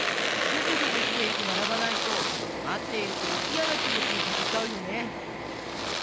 ぐずぐずしていてならばないとまっているこをいやなきもちにさせちゃうよね。